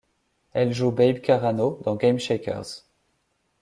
Elle joue Babe Carano dans Game Shakers.